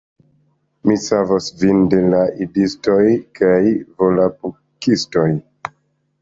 Mi savos vin de la Idistoj kaj Volapukistoj